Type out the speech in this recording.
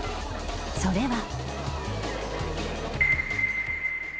それは。